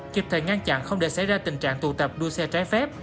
kịp thời ngăn chặn không để xảy ra tình trạng tụ tập đua xe trái phép